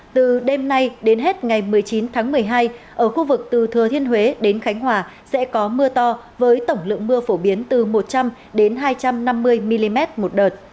từ đêm nay đến hết ngày một mươi chín tháng một mươi hai ở khu vực từ thừa thiên huế đến khánh hòa sẽ có mưa to với tổng lượng mưa phổ biến từ một trăm linh hai trăm năm mươi mm một đợt